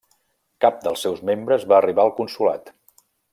Cap dels seus membres va arribar al consolat.